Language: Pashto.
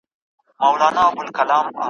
د تنکي احساس دي څه رنګه خروش و